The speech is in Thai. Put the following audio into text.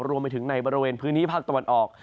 รวมไปถึงในบริเวณพื้นที่ภาคตะวันออก